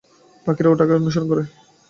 পাখিরা ওটাকে অনুসরণ করে।